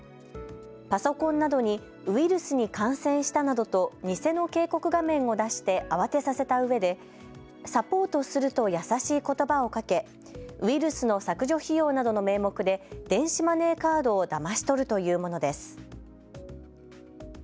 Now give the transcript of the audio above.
パソコンなどにウイルスに感染したなどと偽の警告画面を出して慌てさせたうえでサポートすると優しいことばをかけ、ウイルスの削除費用などの名目で電子マネーカードをだまし取るというものです。